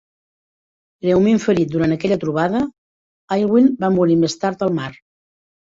Greument ferit durant aquella trobada, Aylwin va morir més tard al mar.